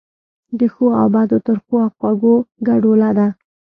د ښو او بدو، ترخو او خوږو ګډوله ده.